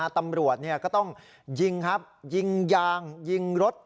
ตำรวจก็ต้องยิงครับยิงยางยิงรถ